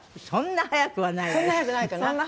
そんな早くはないです。